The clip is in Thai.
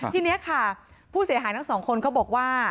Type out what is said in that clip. ทีนี้ค่ะผู้เสียหายทั้งสองคนก็บอกว่า